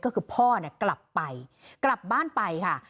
ก็คือพ่อเนี่ยกลับไปกลับบ้านไปค่ะ